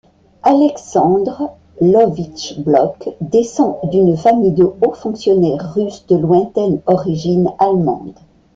Alexandre Lvovitch Blok descend d'une famille de hauts fonctionnaires russes de lointaine origine allemande.